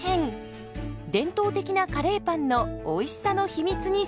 伝統的なカレーパンのおいしさの秘密に迫ります。